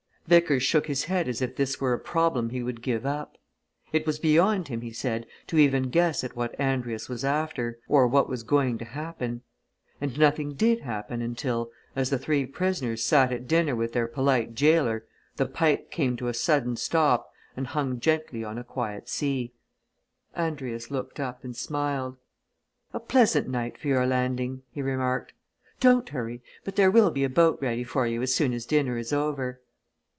Vickers shook his head as if this were a problem he would give up. It was beyond him, he said, to even guess at what Andrius was after, or what was going to happen. And nothing did happen until, as the three prisoners sat at dinner with their polite gaoler, the Pike came to a sudden stop and hung gently on a quiet sea. Andrius looked up and smiled. "A pleasant night for your landing," he remarked. "Don't hurry but there will be a boat ready for you as soon as dinner is over."